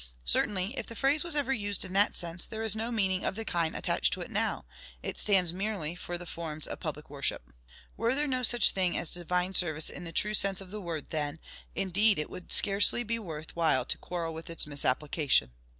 Certainly, if the phrase ever was used in that sense, there is no meaning of the kind attached to it now: it stands merely for the forms of public worship." "Were there no such thing as Divine Service in the true sense of the word, then, indeed it would scarcely be worth while to quarrel with its misapplication.